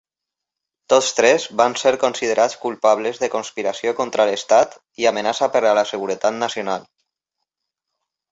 Tots tres van ser considerats culpables de conspiració contra l'Estat i amenaça per a la seguretat nacional.